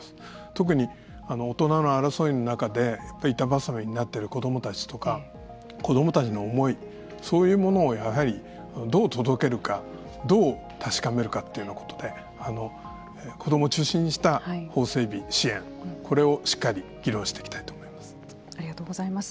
特に、大人の争いの中で板挟みになっている子どもたちとか子どもたちの思いそういうものをやはり、どう届けるかどう確かめるかというようなことで子どもを中心にした法整備、支援これをしっかりありがとうございます。